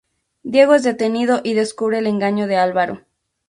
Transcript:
Diego es detenido y descubre el engaño de Álvaro.